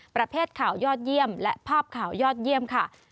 ประเภทข่าวยอดเยี่ยมและภาพข่าวยอดเยี่ยมค่ะ